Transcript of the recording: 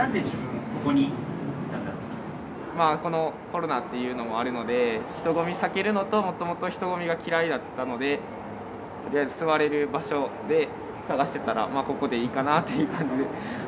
コロナっていうのもあるので人混み避けるのともともと人混みが嫌いだったのでとりあえず座れる場所で探してたらまあここでいいかなっていう感じで。